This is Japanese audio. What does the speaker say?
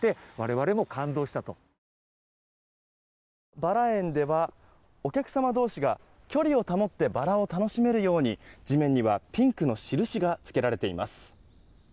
バラ園ではお客様同士が距離を保ってバラを楽しめるように地面にはピンクの印がつけられています。